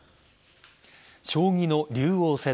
将棋の竜王戦